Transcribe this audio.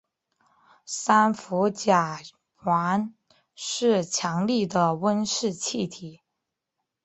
三氟甲烷是强力的温室气体。